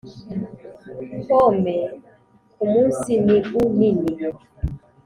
pome kumunsi niu nini